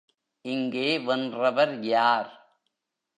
இங்கே வென்றவர் யார்?